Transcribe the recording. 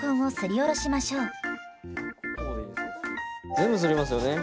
全部すりますよね？